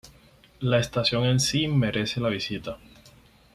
La estación en sí merece la visita.